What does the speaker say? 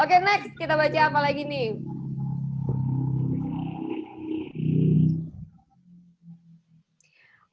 oke next kita baca apa lagi nih